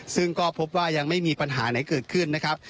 ซึ่งก็พบว่ายังไม่มีปัญหาไหนเกิดขึ้นนะครับ